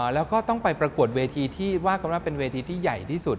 แล้วก็ต้องไปประกวดเวทีที่ว่ากันว่าเป็นเวทีที่ใหญ่ที่สุด